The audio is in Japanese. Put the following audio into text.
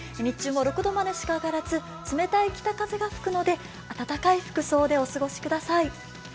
日中も６度までしか上がらず冷たい北風が吹くので温かい服装でお過ごしください。